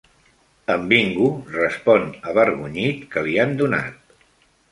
En Bingo respon avergonyit que l'hi han donat.